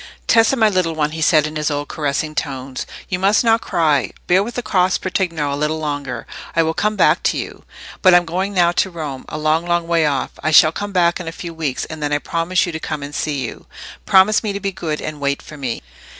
"Tessa, my little one," he said, in his old caressing tones, "you must not cry. Bear with the cross patrigno a little longer. I will come back to you. But I'm going now to Rome—a long, long way off. I shall come back in a few weeks, and then I promise you to come and see you. Promise me to be good and wait for me."